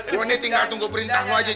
gue nih tinggal tunggu perintah lo aja ji